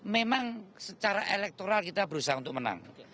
memang secara elektoral kita berusaha untuk menang